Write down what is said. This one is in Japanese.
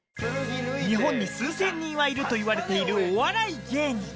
日本に数千人入るといわれているお笑い芸人。